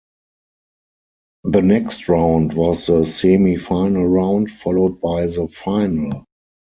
The next round was the semifinal round, followed by the final.